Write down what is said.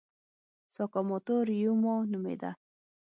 ساکاموتو ریوما نومېده.